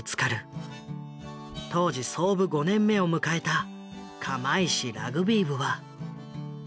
当時創部５年目を迎えた釜石ラグビー部は。